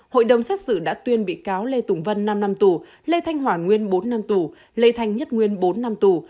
hội đồng xét xử đã tuyên bị cáo lê tùng vân năm năm tù lê thanh hoàn nguyên bốn năm tù lê thanh nhất nguyên bốn năm tù